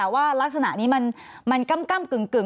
สวัสดีครับทุกคน